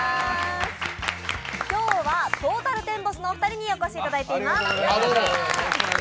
今日はトータルテンボスのお二人にお越しいただいています。